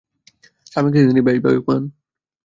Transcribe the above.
স্বামীকে তিনি বেশ ভয় পান।